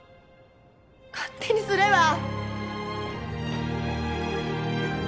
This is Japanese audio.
勝手にすれば？